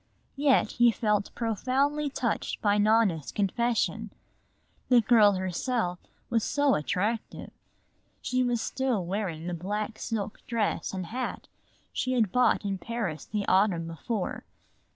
Yet he felt profoundly touched by Nona's confession. The girl herself was so attractive! She was still wearing the black silk dress and hat she had bought in Paris the autumn before.